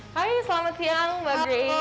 hai selamat siang mbak grace